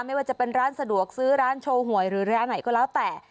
ไม่ว่าจะเป็นร้านสะดวกซื้อร้านโชว์หวยหรือร้านไหนก็แล้วแต่